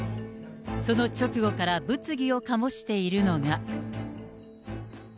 その直後から物議を醸しているのが。